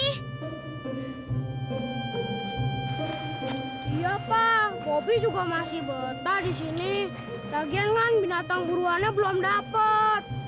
iya pak bobby juga masih betah di sini lagian kan binatang buruannya belum dapat